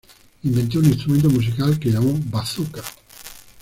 Inventó un instrumento musical al que llamó "bazooka".